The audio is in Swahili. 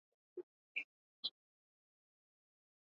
Pika kwa dakika tanona kuipua